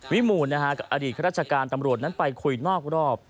วิหมูนนะฮะกับอดีตราชการตำลดนั้นไปคุยนอกรอบ